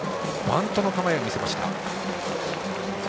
バントの構えを見せました。